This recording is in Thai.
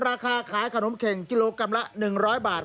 ราคาขายขนมเข็งกิโลกรัมละ๑๐๐บาท